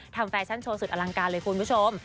แฟชั่นโชว์สุดอลังการเลยคุณผู้ชม